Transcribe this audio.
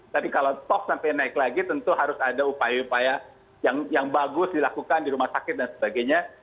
tapi kalau tok sampai naik lagi tentu harus ada upaya upaya yang bagus dilakukan di rumah sakit dan sebagainya